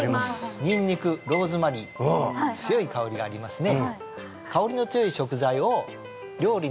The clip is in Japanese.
ニンニクローズマリー強い香りがありますね